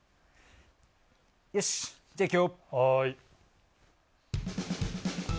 よし、じゃあいくよ。